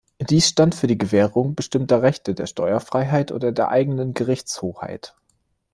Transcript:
Dies stand für die Gewährung bestimmter Rechte, der Steuerfreiheit oder der eigenen Gerichtshoheit.